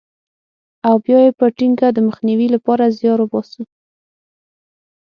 او بیا یې په ټینګه د مخنیوي لپاره زیار وباسو.